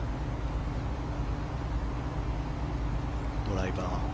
ドライバー。